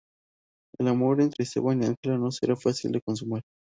El amor entre Esteban y Ángela no será fácil de consumar.